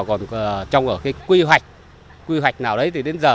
còn trong quy hoạch nào đấy thì đến giờ